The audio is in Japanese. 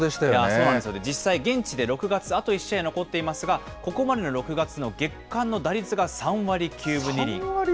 そうなんですよね、実際、現地で６月、あと１試合残っていますが、ここまでの６月の月間の打率が３割９分２厘。